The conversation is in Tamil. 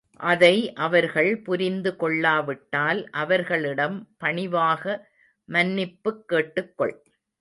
அதை அவர்கள் புரிந்து கொள்ளாவிட்டால், அவர்களிடம் பணிவாக மன்னிப்புக் கேட்டுக் கொள்.